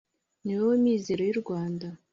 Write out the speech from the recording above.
Ni wowe mizero y’uRwanda